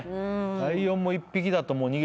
ライオンも１匹だと逃げちゃうね。